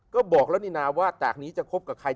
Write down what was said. ก็บอกแล้วนี่นาว่าจากนี้จะคบกับใคร